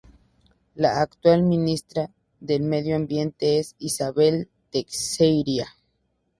La actual ministra del Medio ambiente es Izabella Teixeira.